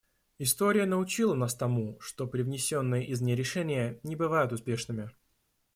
История научила нас тому, что привнесенные извне решения не бывают успешными.